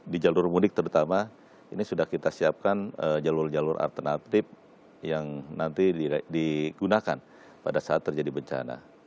di jalur mudik terutama ini sudah kita siapkan jalur jalur alternatif yang nanti digunakan pada saat terjadi bencana